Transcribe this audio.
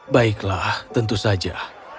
baiklah tentu saja